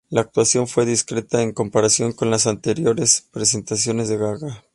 La actuación fue discreta en comparación con las anteriores presentaciones de Gaga.